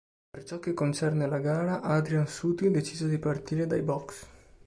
Per ciò che concerne la gara, Adrian Sutil decise di partire dai "box".